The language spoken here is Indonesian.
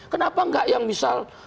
kenapa enggak yang misal